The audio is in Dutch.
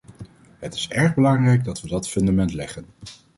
Het is erg belangrijk dat we dat fundament leggen.